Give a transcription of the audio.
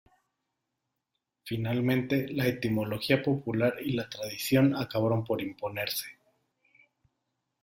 Finalmente la etimología popular y la tradición acabaron por imponerse.